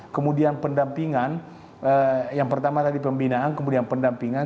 kemudian pendampingan yang pertama tadi pembinaan kemudian pendampingan